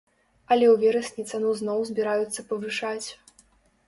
Але ў верасні цану зноў збіраюцца павышаць.